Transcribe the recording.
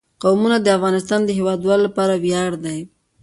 قومونه د افغانستان د هیوادوالو لپاره ویاړ دی.